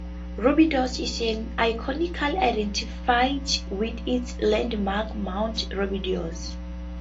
Rubidoux is iconically identified with its landmark, Mount Rubidoux.